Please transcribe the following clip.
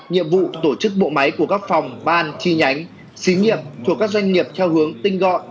nhiệm vụ tổ chức bộ máy của các phòng ban chi nhánh xí nghiệp thuộc các doanh nghiệp theo hướng tinh gọn